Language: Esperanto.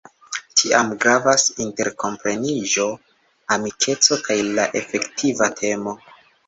Tiam gravas interkompreniĝo, amikeco kaj la efektiva temo.